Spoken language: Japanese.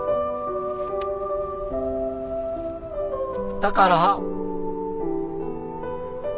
だから。